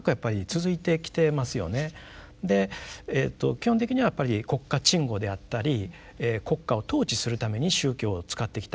基本的にはやっぱり国家鎮護であったり国家を統治するために宗教を使ってきた。